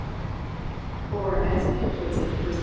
Or, as Peter puts it in 1 Pet.